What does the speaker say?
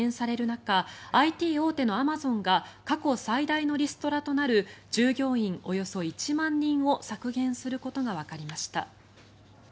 中ＩＴ大手のアマゾンが過去最大のリストラとなる従業員およそ１万人を削減することがわかりました。